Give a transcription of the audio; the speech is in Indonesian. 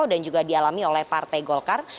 dan juga dialami oleh partai golkar